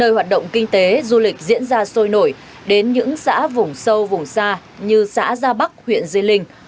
nơi hoạt động kinh tế du lịch diễn ra sôi nổi đến những xã vùng sâu vùng xa như xã gia bắc huyện di linh